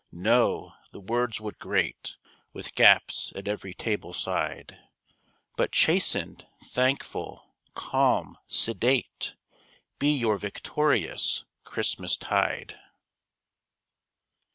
No the words would grate, With gaps at every table side, But chastened, thankful, calm, sedate, Be your victorious Christmas tide.